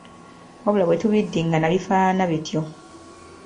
wabula bwe tubiddingana bifaanana bityo.